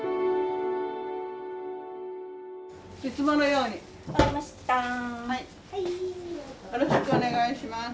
よろしくお願いします。